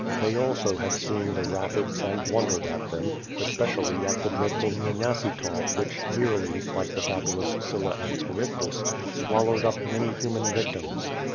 They also had seen the rapids and wondered at them; espe cially at the dreadful Nyenasytsov which yearly, like the fabulous Scylla and Charybdis, swallowed up many human victims.